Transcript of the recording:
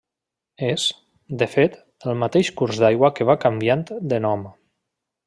És, de fet, el mateix curs d'aigua que va canviant de nom.